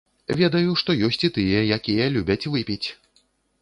Ведаю, што ёсць і тыя, якія любяць выпіць.